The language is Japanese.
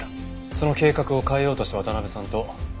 その計画を変えようとした渡辺さんとトラブルになった。